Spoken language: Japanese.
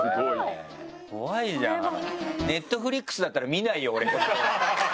怖いじゃんＮｅｔｆｌｉｘだったら見ないよ俺。